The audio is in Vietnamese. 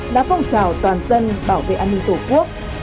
đã phong trào toàn dân bảo vệ an ninh tổ quốc